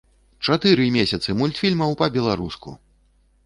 Чатыры месяцы мультфільмаў па-беларуску!